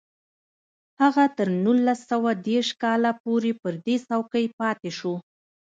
هغه تر نولس سوه دېرش کال پورې پر دې څوکۍ پاتې شو